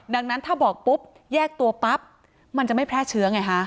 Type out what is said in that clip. ดังนั้นถ้าบอกปุ๊บแยกตัวปั๊บมันจะไม่แพร่เชื้อไงฮะ